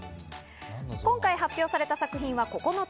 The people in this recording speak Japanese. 今回発表された作品は９つ。